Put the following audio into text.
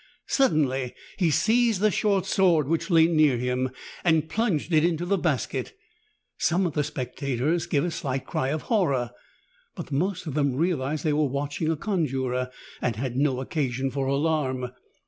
Suddenly he seized the short sword which lay near him and plunged it into the basket. Some of the spectators gave a slight cry of horror, but the most of them realized that they were watching a conjurer and had no occasion for alarm.